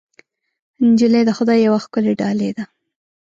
نجلۍ د خدای یوه ښکلی ډالۍ ده.